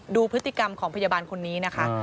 ดูพฤติกรรมของพยาบาลคนนี้นะคะ